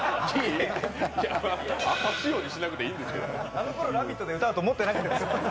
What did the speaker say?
あのころ、「ラヴィット！」で歌うと思わなかったですから。